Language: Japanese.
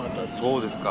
そうですか。